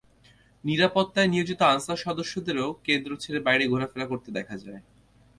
নিরাপত্তায় নিয়োজিত আনসার সদস্যদেরও কেন্দ্র ছেড়ে বাইরে ঘোরাফেরা করতে দেখা যায়।